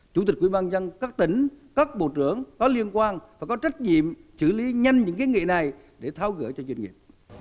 chủ tịch quỹ ban nhân các tỉnh các bộ trưởng có liên quan và có trách nhiệm xử lý nhanh những kiến nghị này để tháo gỡ cho doanh nghiệp